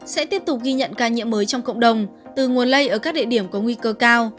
sẽ tiếp tục ghi nhận ca nhiễm mới trong cộng đồng từ nguồn lây ở các địa điểm có nguy cơ cao